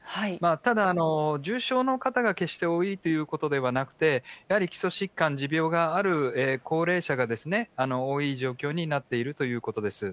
ただ、重症の方が決して多いということではなくて、やはり基礎疾患、持病がある高齢者が多い状況になっているということです。